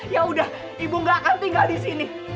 ya udah ibu gak akan tinggal di sini